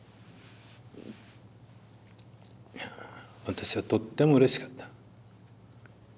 私はとってもうれしかった。